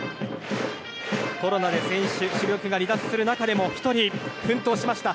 コロナで主力が離脱する中でも１人奮闘しました。